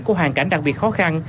của hoàn cảnh đặc biệt khó khăn